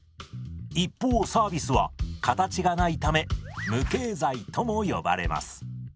一方サービスは形がないため無形財とも呼ばれます。